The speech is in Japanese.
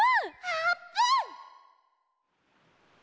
あーぷん！